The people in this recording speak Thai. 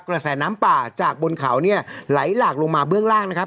กระแสน้ำป่าจากบนเขาเนี่ยไหลหลากลงมาเบื้องล่างนะครับ